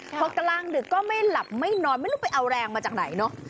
พอกลางดึกก็ไม่หลับไม่นอนไม่รู้ไปเอาแรงมาจากไหนเนอะ